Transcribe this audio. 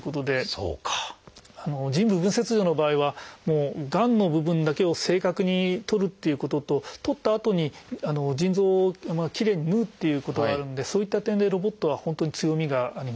腎部分切除の場合はがんの部分だけを正確にとるっていうことととったあとに腎臓をきれいに縫うっていうことがあるんでそういった点でロボットは本当に強みがあります。